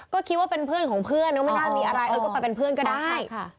ก็คิดว่าเป็นเพื่อนของเพื่อนไม่ได้มีอะไรก็ไปเป็นเพื่อนก็ได้